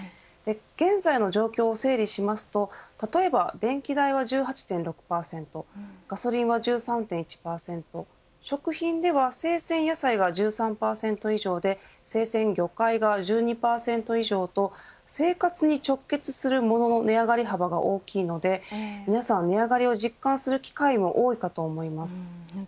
現在の状況を整理しますと例えば電気代は１８．６％ガソリンは１３．１％食品では生鮮野菜は１３％以上で生鮮魚介が１２％以上と生活に直結するものの値上がり幅が大きいので皆さん、値上がりを実感する機会も多いかと思います。